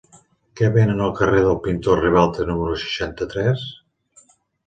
Què venen al carrer del Pintor Ribalta número seixanta-tres?